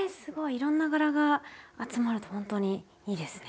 いろんな柄が集まるとほんとにいいですね。